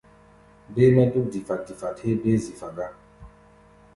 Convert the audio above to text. Béé-mɛ́ dúk difat-difat héé béé zifa gá.